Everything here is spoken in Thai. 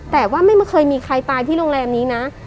แต่ว่าไม่เคยมีใครตายที่โรงแรมนี้นะ